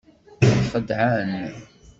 Xeddɛen.